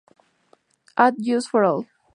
And Justice for All.